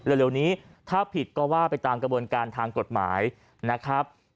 เร็วนี้ถ้าผิดก็ว่าไปตามกระบวนการทางกฎหมายนะครับ